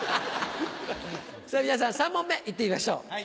さぁ皆さん３問目いってみましょう。